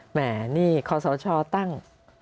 แหมนี่คอสาวชอตั้ง